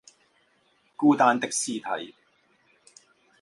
孤單的屍體